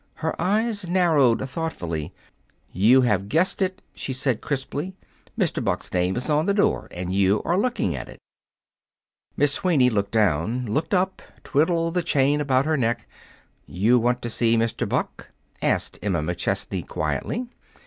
Her eyes narrowed thoughtfully. "You have guessed it," she said crisply. "Mr. Buck's name is on the door, and you are looking at it." Miss Sweeney looked down, looked up, twiddled the chain about her neck. "You want to see Mr. Buck?" asked Emma McChesney quietly.